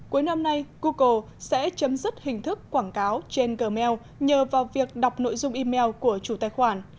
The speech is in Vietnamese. cuối năm nay google sẽ chấm dứt hình thức quảng cáo trên gmail nhờ vào việc đọc nội dung email của chủ tài khoản